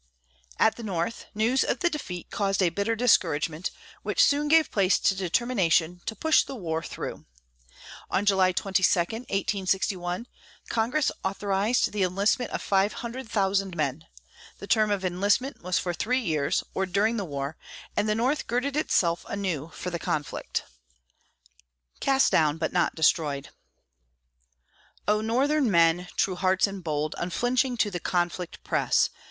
At the North news of the defeat caused a bitter discouragement, which soon gave place to determination to push the war through. On July 22, 1861, Congress authorized the enlistment of five hundred thousand men. The term of enlistment was for three years, or during the war, and the North girded itself anew for the conflict. CAST DOWN, BUT NOT DESTROYED Oh, Northern men true hearts and bold Unflinching to the conflict press!